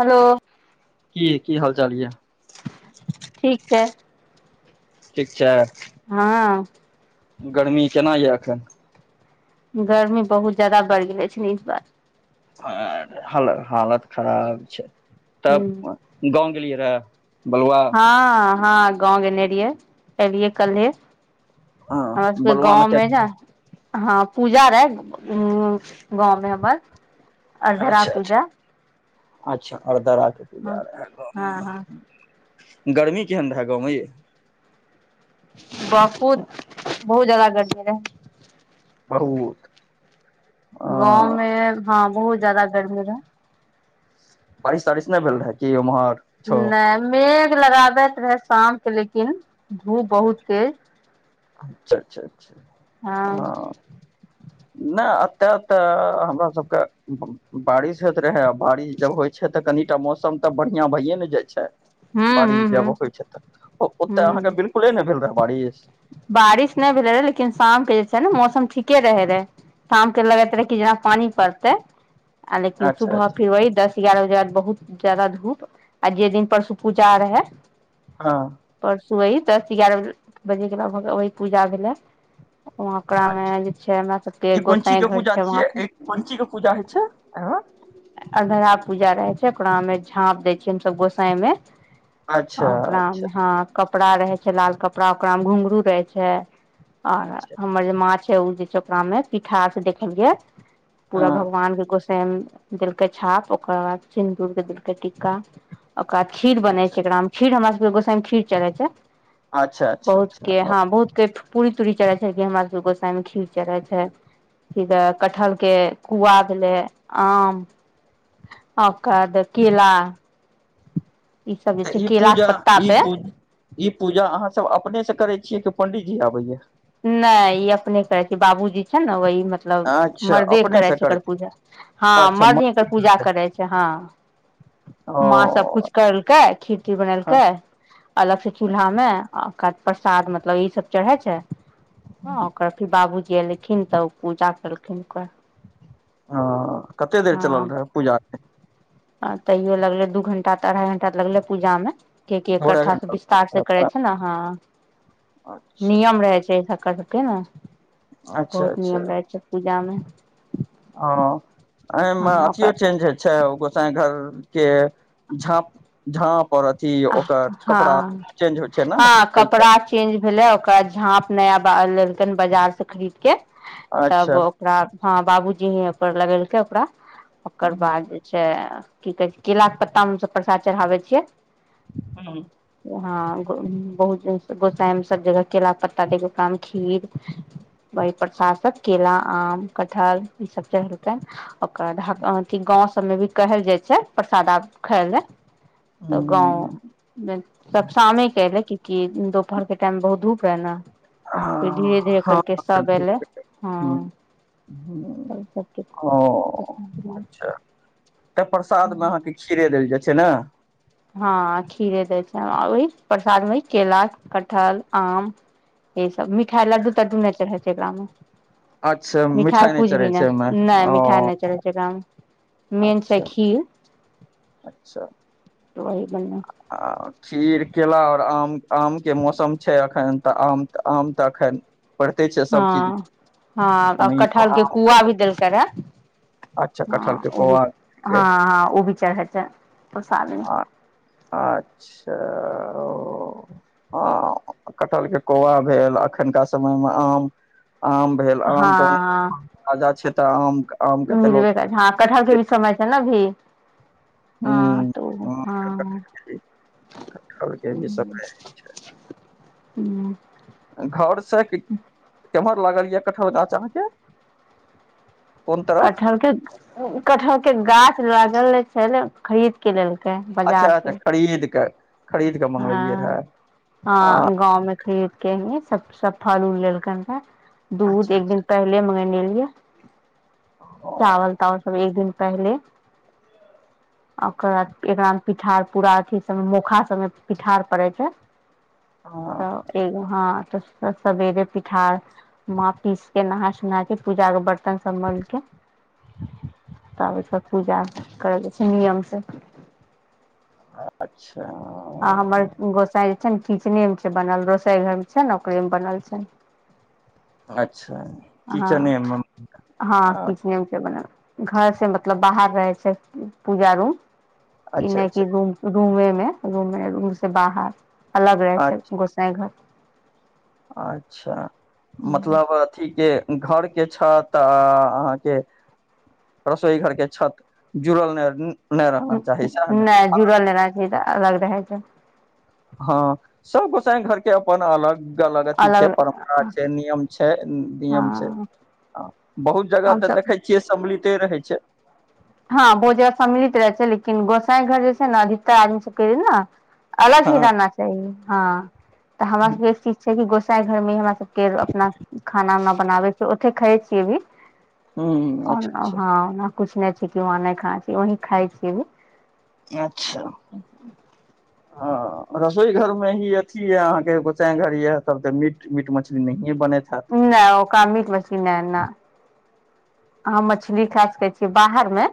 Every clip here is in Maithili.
हेलो। जी की हाल चाल यै? ठीक छै। ठीक छै। हँ। गर्मी केना यऽ एखन? गर्मी बहुत ज्यादा बढ़ि गेले छै, इस बार। आ हालत खराब छै, ह तब गाव गेलियै बलुआ हँ, हँ, गाव गयने रहियै एलियै कल्हे। हँ हमर सभके बलुआ मे गावमे ने केना? हँ, पूजा रहे उ गावमे हमर अरदरा अच्छा अच्छा पूजा। अच्छा अरदरा रहा हँ त हँ हँ [unintelligible] गर्मी केहन रहै गावमे ये। बहुत बहुत ज्यादा गर्मी रहै। बहुत। अ गावमे हँ, बहुत जदा गर्मी रहै। बारिश तारिश नहि भेल रहै कि ओम्हर। नहि मेघ लगाबैत रहै शामके लेकिन धूप बहुत तेज। अच्छा, अच्छा, हँ। नहि एते तऽ हमरा सभके बारिश होइत रहै आ बारिश जब होइ छै, तऽ कनिटा मौसम तऽ बढ़िआं भइए ने जाइ छै। ह बारिश ह ह जेबो होइ छै, तऽ ओते ह अहाँकेँ बिल्कूल ने भेल रहै बारिश बारिश नहि भेले रहे लेकिन शामके जे छै ने मौसम ठीके रहे रहे। शामके लगैत रहै कि जेना पानि पड़तै। आ लेकिन अच्छा सुबह अच्छा फिर वही दस एगारह बजे बाद बहुत ज्यादा धूप आ जे दिन परसु। पूजा रहै। हँ। परसू अही दस एगारह बजेके लगभग वही पूजा भेलै। वकरा मे अच्छा जे छै, हमरा सभके ई कोन चीज के गोसाई घर पूजा छै, छियै वहाँ ई पे [unintelligible] अरदरा पूजा रहै छै, ओकरामे झाँप दै छियै, हमस गोसाई मे अच्छा ओकरा अच्छा मे ह। कपड़ा रहे छै, लाल कपड़ा ओकरामे घुघरु रहे छै। आर अच्छा हमर जे माछ छै, उ जे छै ओकरामे पिठारसे देखलिये पूरा हँ भगवान के गोसाै। देलकै छाप ओकररा बाद सिन्दूर के देलकै टिका ओकरााद खीर बन अच्छा छै एकरा मे खीर हमरा सबके गोसाई के खीर चरहै छै अच्छा अच्छा बहुत अच्छा के ओ हँ बहुत के पूरी तूरी चढ़ै छै कि हमरा सबके गोसाई मे खीर चढ़ै छै कटहल के कुआ भेले आम ओ काद केलाा तऽ ई केला के पूजा पत्ता ई पे ई पूजा अहाँ सब अपने से करै छियै कि पंडीजी आबैया नाय ई अपने करै छी बाबूजी छै ने वहि मतलब मतलब अच्छा मर्दे अपने करै से छै एकर छी। पूजा हँ अच्छा म मर्द ही एकर पूजा करै छै हँ ओ माँ सब कुछ करलकै खिर खीर बनेल हँ के अलग से चूल्हा में ओकाबाद प्रसाद मतलब ई सब चढ़े छै आ ओकरा फेर बाबूजी एयलखिन त ओ पूजा केलखिन ओकर ह कते देर चलल रहए पूजा आ तैयो लगले दू घंटा त अढ़ाई घंटा त लगले पूजा मे क एक दू अढ़ाई कथा विस्तार से करै घंटा छै ने हँ अच्छा नियम रहै छै करके ने अच्छा बहुत नियम रहै छै पूजामे ह एहिमे अथियो चेंज छै सिटी घर के झाँप झाँप और अथी ओकर कपड़ा हँ चेंज होय छै ने हँ पे छै कपड़ा चेंज भेलै ओकरा झाँप नया लेलकैन बाजार से खरीद के तब अच्छा ओकरा हँ बाबूजी ही पर लगेलकै ओकरा ओकर हूँ बाद जे छै की कहै छै केलाके पत्ता हमसभ प्रसाद चढ़ाबै छियै हँ ह हँ बहुत गोसाईमे सब जगह केला पत्ता दे के ओकरामे खीर वही प्रसादसँभ केला आम कटहल ईसभ चढ़ेलकै ओकर बाद अथी गाँंव सबमे भी कहल जाइ छै प्रसाद आ खायल जाय तऽ हूँ गाँवमे सब शामेके एलै क कि दुपहरके टाइममे बहुत धूप रहै ने फेर धीरे धीरे हँ करके सभ अयलै हँ तब सबके ओ अच्छा त प्रसाद मे अह खीरे देल जाय छै ने हँ खीरे दै छै आ ओही प्रसादमे केरा कटहल आम ई सब मिठाई लड्डू तडू नहि चढ़ै छै ए गाम मे अच्छा मिठाइ नहि कुछ भी चढ़ै छै ओहिमे नहि नहि ओ मिठाइ नहि चलै छै गाममे मे अच्छा छैखीर अच्छा त वही बन आ खीर केला आओर आम आम के मौसम छै एखन तऽ आम आम त एखैन हँ हँ अ ओनहि कटहर के कोआ भी देलकै रहे अच्छा कटहल हँ के ओ भी कोआ के हँ हँ ओ भी चढ़ै छै प्रसादमे आ अच्छा ओ ह कटहलके कौआ भेल एखुनका समयमे आम आम भेल आम तने हँ ताजा छै त आम के तऽ लोक मिलबे कर छै हँ कटहर के भी समय छै ने अभी हँ हूँ त हँ कटहल के भी सब है। ह हू घर से केम्हर लागल ये कटहल गाछ अहाँ के कटहर के कटहर के गाछ लागल ने छै ने खरीद के लेलकै अच्छा बजार अच्छा खरीद कए हँ आ हँ गाँवमे खेद के ह सब [unintelligible] फालूल लेलकनि रह दूध अच्छा एक दिन अच्छा पहिले मगेने लियए चावल तावल सब एक दिन पहले ओकर बाद एकरा पिठार पूरा अथी सब मोखा सब पिठार पड़ै छै हँ तऽ एगो हँ त सबेरे पिठार मा पीस के नहा सोना के पूजा के बर्तन सब मल के तब ओहिठियाँ कऽ पूजा करल जाइ छै नियमसँ अच्छा आ हमर गोसाई जे छै ने किचने मे छै बनल रोसोई घर मे छै ने ओकरे मे बनल छै अच्छा हँ किचने मे हँ आ किचने मे छै बनल घर से मतलब बाहर रहै छै पूजा रूम ई अच्छा नहि अच्छा कि रूम रूमे मे रूमे रूम से बाहर अलग रहे छै गोसाईं घर अच्छा मतलब अथी के घर के छत आ अहाँके रसोई घर के छत जुड़ल नहि [unintelligible] चाही सएह ने नहि जुड़ल लेना ची तऽ अलग रहै छै हँ सब गोसाई घरके अपन अलग अलग अथी छै परम्परा छै नियम छै हँ नियम छै बहुत जगह तऽ हमसभ देखै छियै सम्मिलिते रहै छै हँ भोजा सम्मिलित रहै छै लेकिन गोसाई घर जे छै ने अधिकतर आदमी सबके ने अलग हँ ही रहना चाही हँ तऽ हमरा ह सबके एक चीज छै कि गोसाईं घर मे ही हमरा सब के अपना खाना उना बनाबै छियै ओते खाइ छियै भी अच्छा अच्छा हँ कुछ नहि छै वहाँ नहि खाना छी वहीं खाइ छियै भी अच्छा हँ रसोई घर मे ही अथी ये अहाँके गोसाईं घर ये तब ते मीट मीट मछली नहिये बनेत नहि नहि ओकरा मीट मछली नहि ने अहाँं मछली खाय सकै छी बाहर मे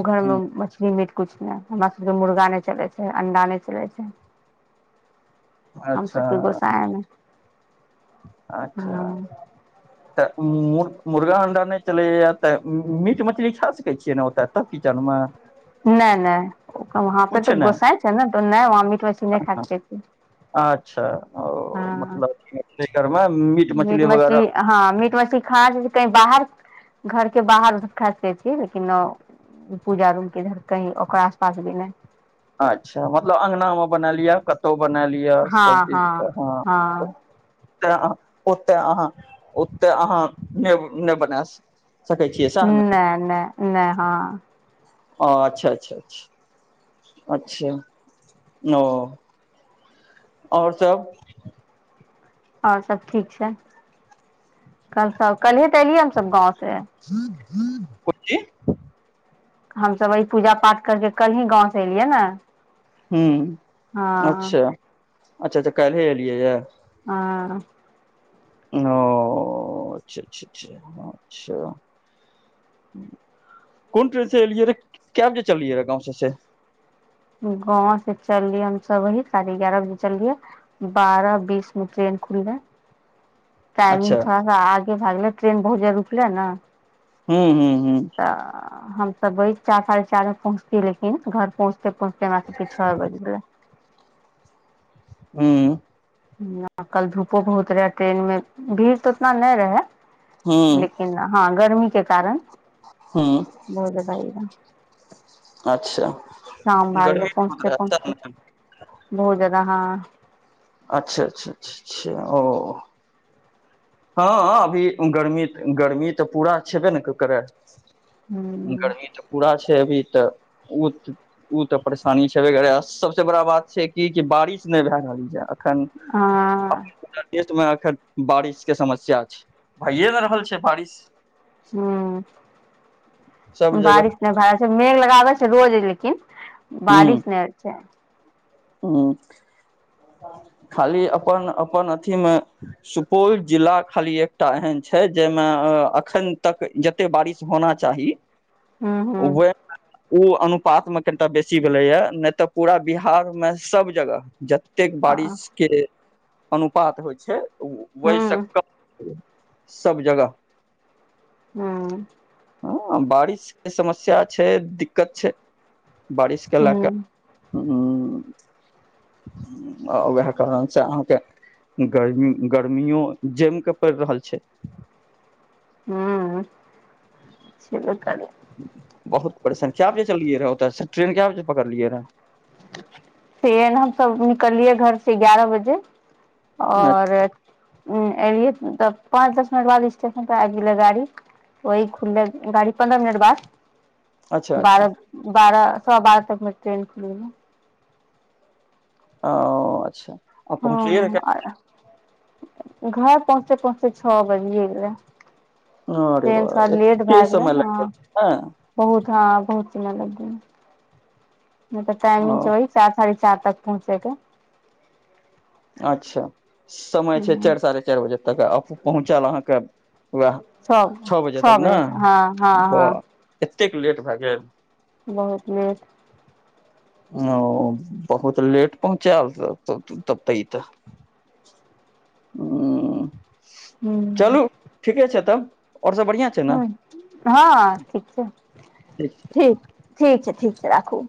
घर मे हूँ मछली मिट कछु नहि हमरा सबके मुर्गा नहि चलै छै अंडा नहि चलै छै हम अच्छा सबके गोसाईमे अच्छा तऽ मु मुर्गा अण्डा नहि चलैए तऽ मीट मछली खा सकै छियै ने ओतऽ तब कीचनमे नहि नहि वहाँ पे तो नहि गोसाईं छै ने नहि वहाँ पे तो मीट मछली नहि खाए अच्छा ओ मतलबमे मीट मछली वगैरह हँ मीट मछली खाना चाह कही बाहर घर के बाहर खा सकै छी लेकिन पूजा रूम केधर कही ओकरा आस पास भी नहि अच्छा मतलब अङ्गनामे बनाए लियअ कतहु बनायल यअ सभचीजके हँ अ ओते अहाँ ओते अहाँ बना सकै छियै सएह ने नहि नहि नहि हँ ओ अच्छा अच्छा अचछा अच्छा ओ आओर सब आओर सब ठीक छै कल सब कल्हे तऽ एलियै हमसब गाँव से कोन ची हमस अह पूजा पाठ करके कल ही गाँंव से एलियै ने हूंम्म हँ अच्छा अच्छा अच्छा कल्हिये एलियै यऽ हँ ओ अच्छा अच्छा अच्छा कोन ट्रेन से एलियै रहे कै बजे चलियै रहे गाँंव सँ से गाँंव से चललियै हम सब वही साढ़े एगारह बजे चललियै बारह बीस मे ट्रेन खुललै ने [inaudible] टाइमिग थोड़ा सा आगे भाग गेले ट्रेन बहुत जा रुकले ने। हूँ, हूँ, हूँ। तऽ हमस वहि चार साढ़े चारि बज पहुँचतियै लेकिन घर पहुँचते पहुँचते [unintelligible] के छुओ बज बै हू। कल धूपो बहुत रहे ट्रेनमें भीड़ तऽ उतना नहि रहे हूँ लेकिन हँ, गर्मीके कारण हूँ बहु ज। अच्छा शाम भागल गर्मी पहुँचत बहुत रहता है पहुँचत। न। बहु ज्यादा। अच्छा, अच्छा, अच्छा ओ हँ, अभी गर्मी, गर्मी तऽ पूरा छेबे ने ककरे। हूँ गर्मी तऽ पूरा छै, अभी तऽ ओ ओ तऽ परेशानी छेबे कर सभसे बड़ा बात छै, कि बारिश नहि भए रहल य। अखन हँ देशमे एखन बारिश। के समस्या छै, भइए नहि रहल छै, बारिश। हू, सब जगह बारिशमे भार। मेघ लगाबै छै, रोज लेकिन बारिश नहि होइ छै। हू, खाली अपन अपन अथीमे। सुपौल जिला खाली एकटा एहन छै, जाहिमे एखन तक जाते बारिश होना चाही। हूँ हूँ ओ अनुपातमे कनिटा बेसी भेलैए नहि तऽ पूरा बिहार। मे सभ जगह जतेक बारिशके अनुपात होइ छै। हूँ वैशक सभ जगह। हँ। बारिशके समस्या छै, दिक्कत छै, बारिशके लए कऽ। हूँ हू। आ वाहे कारण छै अहाँकेँ गर्मी गर्मियो जमके पड़ि रहल छै। हू, कर। बहुत परेशानके बजे चलियै रहै ओत ट्रेन क्य बजे पकड़लियै रहै? से हमसँ निकललियै घरसे एगारह बजे रहए और एलियै तऽ पाँच दस मिनट बाद स्टेशन पर आ गेले गाड़ी। ओहि खुुले रहै गाड़ी पन्द्रहा मिनट बाद। अच्छा अच्छा बारह बारह सवा बारह तकमे ट्रेन खुल ह ओ, अच्छा। आ पहुँचलियै रह हँ, घर पहुँचते पहुँचते छओ बजि गेलै। अरे ट्रेन वाह सभ लेट एते भए गेलै समय लागि ह। गेल बहुत, हँ बहुत समय लगै ह। म तऽ टाइमिंग छै, हँ वही चार साढ़े चार तक पहुँचेके। अच्छा, समय छै, ह सारी साढ़े चारि बजे तक पहुँचल अहाँकेँ उएह। छओ बजे तक ने ब एतेक लेट भए गेल। बहुत लेट। ओ बहुत लेट पहुँचा यल। तब तऽ ई तऽ ह चलू। ह ठीके छै, तब और सभ बढ़िया छै। ने हँ ठीक छै, ठीक ठीक छै, ठीक छै राखू।